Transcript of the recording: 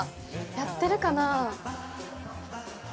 やってるかな。